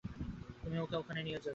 তুমি ওকে ওখানে নিয়ে যাবে।